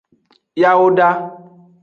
Yawoda.